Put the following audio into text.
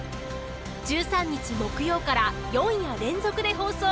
１３日木曜から４夜連続で放送。